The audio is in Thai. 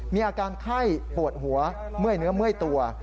มีอาการไข้ปวดหัวเมื่อยเนื้อเมื่อยตัว